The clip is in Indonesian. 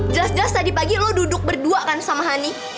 jelas jelas tadi pagi lo duduk berdua kan sama hani